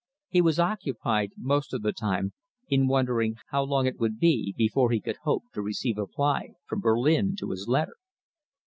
He was occupied most of the time in wondering how long it would be before he could hope to receive a reply from Berlin to his letter.